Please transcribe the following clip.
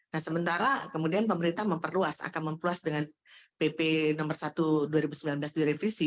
nah sementara kemudian pemerintah memperluas akan memperluas dengan pp nomor satu dua ribu sembilan belas direvisi